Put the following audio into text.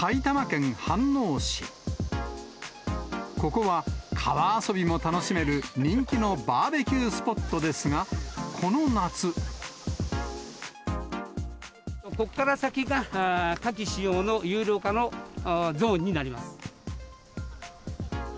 ここは川遊びも楽しめる人気のバーベキュースポットですが、ここから先が、火気使用の有料化のゾーンになります。